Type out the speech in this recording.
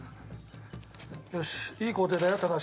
よしいい工程だよ高橋